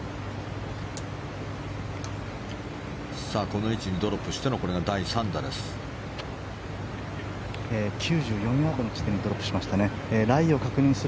この位置にドロップしてのこれが第３打です。